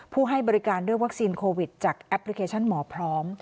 ให้บริการด้วยวัคซีนโควิดจากแอปพลิเคชันหมอพร้อม